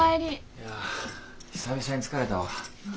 いや久々に疲れたわ。